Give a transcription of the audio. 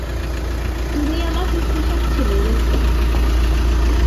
তুমি আমাকে ফাঁসাচ্ছিলে, রোক্সান!